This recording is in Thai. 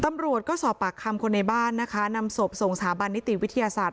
ตำรวจก็สอบปากคำคนในบ้านนะคะนำศพส่งสถาบันนิติวิทยาศาสตร์